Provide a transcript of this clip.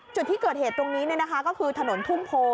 จุดที่เกิดเหตุตรงนี้ก็คือถนนทุ่งโพ